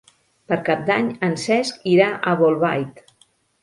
Per Cap d'Any en Cesc irà a Bolbait.